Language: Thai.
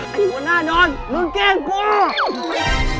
ไอ้บัญญาณน้อยมึงแกล้งกู